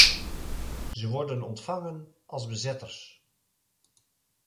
Ze worden ontvangen als bezetters.